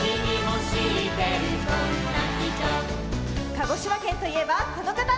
鹿児島県といえばこのかた！